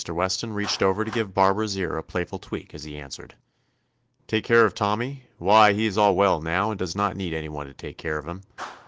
Weston reached over to give Barbara's ear a playful tweak as he answered : 'Take care of Tommy? Why he is all well now and does not need any one to take care of him.